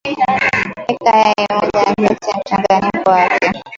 Weka yai moja katika mchanganyiko wako